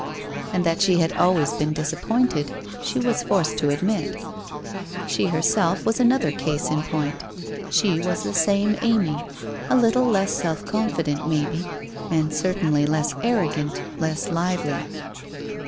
And that she had always been disappointed, she was forced to admit. She herself, was another case in point. She was the same Amy, a little less self confi dent, maybe, and certainly less arrogant, less lively.